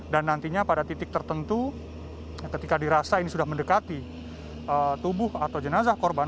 dan nantinya pada titik tertentu ketika dirasa ini sudah mendekati tubuh atau jenazah korban